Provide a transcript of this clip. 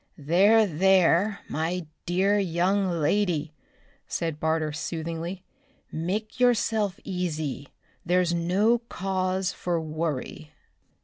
"There, there, my dear young lady," said Barter soothingly. "Make yourself easy. There's no cause for worry."